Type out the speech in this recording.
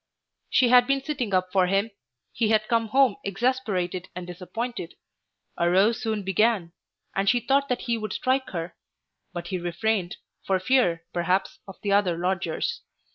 She had been sitting up for him; he had come home exasperated and disappointed. A row soon began; and she thought that he would strike her. But he refrained, for fear, perhaps, of the other lodgers.